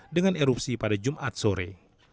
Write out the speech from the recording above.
dengan erupsi pada jumat sore